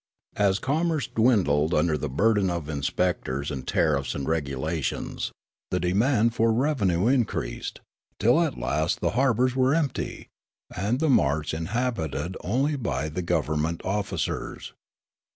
As commerce dwindled under the burden of inspectors and tariffs and regulations, the demand for revenue increased; till at last the harbours were empt) , and the marts inhabited only by the gov ernment officers.